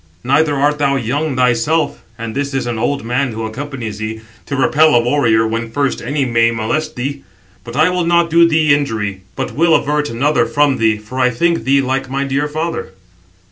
Neither art thou young thyself, and this [is] an old man who accompanies thee, to repel a warrior when first any may molest thee. But I will not do thee injury, but will avert another from thee, for I think thee like my dear father."